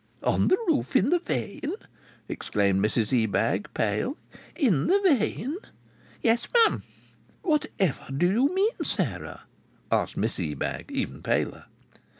"On the roof in the vane?" exclaimed Mrs Ebag, pale. "In the vane?" "Yes'm." "Whatever do you mean, Sarah?" asked Miss Ebag, even paler.